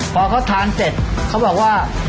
พอเขาทานเสร็จเขาบอกว่า